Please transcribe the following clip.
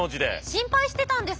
心配してたんですから。